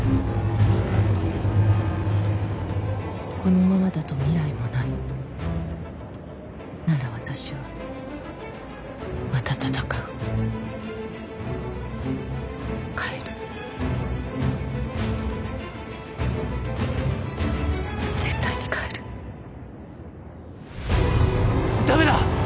このままだと未来もないなら私はまた戦う帰る絶対に帰るダメだ！